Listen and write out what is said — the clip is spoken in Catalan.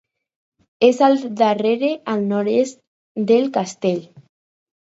És al darrere, al nord-oest, del castell.